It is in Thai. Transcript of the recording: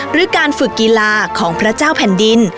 หรือการฝึกกีฬาของพระเจ้าแผ่นดิน